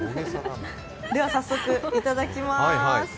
では早速、いただきます。